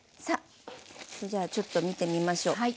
それじゃあちょっと見てみましょう。